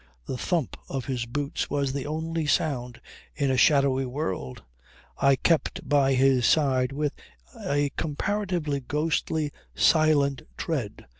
The thump of his boots was the only sound in a shadowy world. I kept by his side with a comparatively ghostly, silent tread.